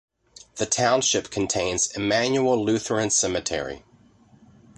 The township contains Emmanuel Lutheran Cemetery.